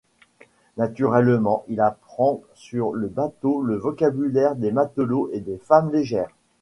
Naturellement, il apprend sur le bateau le vocabulaire des matelots et des femmes légères.